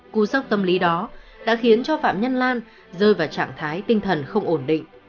cú sốc tâm lý đó đã khiến cho phạm nhân lan rơi vào trạng thái tinh thần không ổn định